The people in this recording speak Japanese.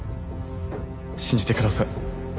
信じてください！